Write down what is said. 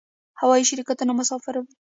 هوایی شرکتونه مسافر وړي